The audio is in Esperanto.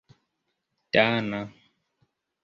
dana